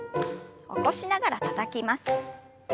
起こしながらたたきます。